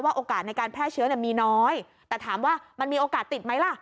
โอกาสในการแพร่เชื้อมีน้อยแต่ถามว่ามันมีโอกาสติดไหมล่ะ